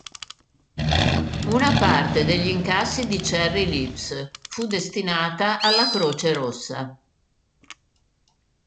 Una parte degli incassi di "Cherry Lips" fu destinata alla Croce Rossa.